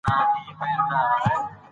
دا زموږ د ژوند ملګرې ده.